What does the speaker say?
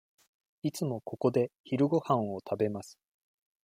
いつもここで昼ごはんを食べます。